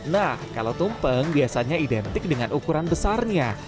nah kalau tumpeng biasanya identik dengan ukuran besarnya